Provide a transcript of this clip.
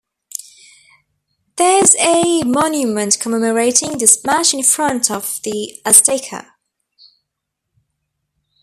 There is a monument commemorating this match in front of the "Azteca".